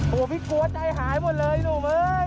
พี่กลัวใจหายหมดเลยหนุ่มเอ้ย